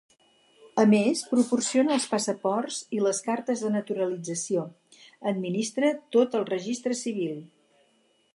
A més, proporciona els passaports i les cartes de naturalització; administra tot el Registre Civil.